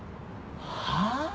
はあ？